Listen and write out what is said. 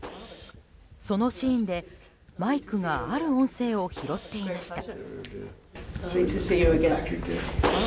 そのシーンで、マイクがある音声を拾っていました。